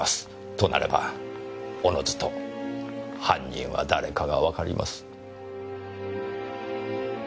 となればおのずと犯人は誰かがわかります。